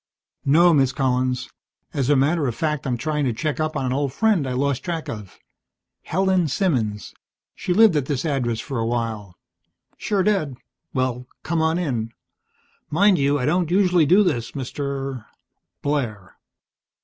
"No, Miss Collins. As a matter of fact, I'm trying to check up on an old friend I lost track of. Helen Simmons. She lived at this address for a while." "Sure did. Well, come on in. Mind you, I don't usually do this, Mr. " "Blair."